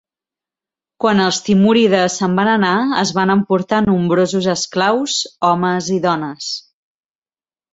Quan els timúrides se'n van anar es van emportar nombrosos esclaus, homes i dones.